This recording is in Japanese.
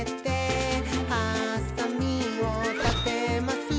「はさみをたてます」